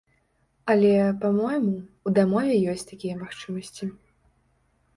Але, па-мойму, у дамове ёсць такія магчымасці.